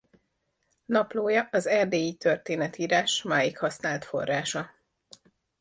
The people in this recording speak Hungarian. Naplója az erdélyi történetírás máig használt forrása.